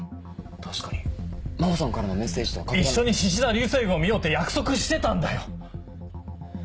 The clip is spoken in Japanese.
確かに真帆さんからのメッセージとは。一緒にしし座流星群を見ようって約束してたんだよ！